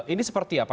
ini seperti apa